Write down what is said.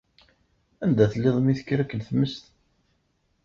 Anda telliḍ mi tekker akken tmes?